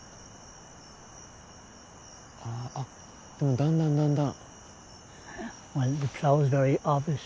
あっでもだんだんだんだん。